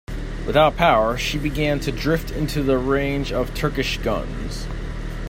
Without power, she began to drift into the range of Turkish guns.